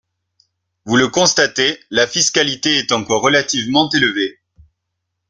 Vous le constatez, la fiscalité est encore relativement élevée.